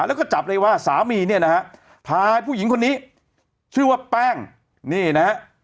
แล้วก็จับได้ว่าสามีเนี่ยนะฮะพาผู้หญิงคนนี้ชื่อว่าแป้งนี่นะฮะ